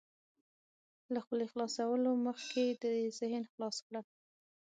له خولې خلاصولو مخکې دې ذهن خلاص کړه.